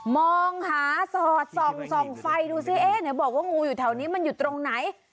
มองหาสอดส่องส่องไฟดูซิเอ๊ะไหนบอกว่างูอยู่แถวนี้มันอยู่ตรงไหน